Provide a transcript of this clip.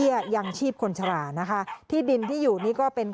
อย่างก็ตะโกลบอกด้วยนะคะบอกถ้ามีข้าวสาร